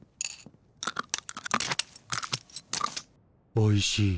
おいしい。